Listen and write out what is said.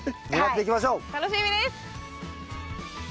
楽しみです！